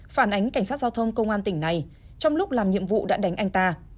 phản ánh cảnh sát giao thông công an tỉnh này trong lúc làm nhiệm vụ đã đánh anh ta